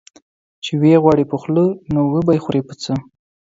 چي وې غواړې په خوله، نو وبې خورې په څه؟